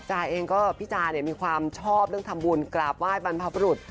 เองก็พี่จาเนี่ยมีความชอบเรื่องทำบุญกราบไหว้บรรพบรุษ